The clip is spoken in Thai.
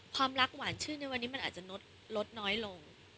ความรักหวานชื่นในวันนี้มันอาจจะลดน้อยลง